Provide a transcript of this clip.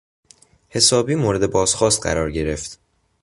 حسابی مورد بازخواست قرار گرفت.